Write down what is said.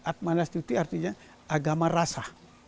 atmanastuti artinya agama rasa